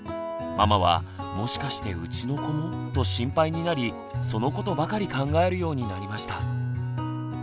ママは「もしかしてうちの子も」と心配になりそのことばかり考えるようになりました。